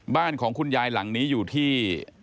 บ้านของคุณยายหลังนี้อยู่ที่